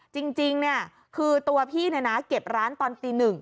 จริงเนี่ยคือตัวพี่เนี่ยนะเก็บร้านตอนตี๑